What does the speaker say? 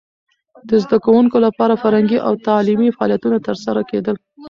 د زده کوونکو لپاره فرهنګي او تعلیمي فعالیتونه ترسره کېدل.